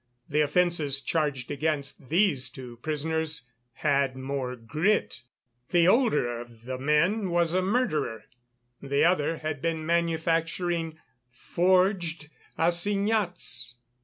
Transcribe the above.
The offences charged against these two prisoners had more grit; the older of the men was a murderer, the other had been manufacturing forged assignats.